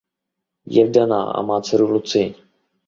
Je vdaná a má dceru Lucii.